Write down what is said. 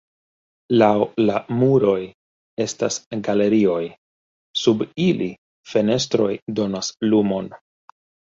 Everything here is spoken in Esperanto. Laŭ la muroj estas galerioj, sub ili fenestroj donas lumon.